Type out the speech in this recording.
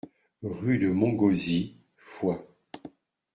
Rue de Montgauzy, Foix